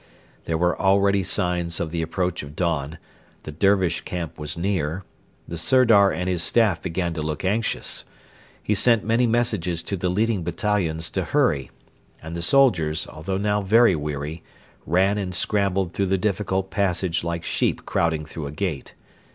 There were already signs of the approach of dawn; the Dervish camp was near; the Sirdar and his Staff began to look anxious. He sent many messages to the leading battalions to hurry; and the soldiers, although now very weary, ran and scrambled through the difficult passage like sheep crowding through a gate.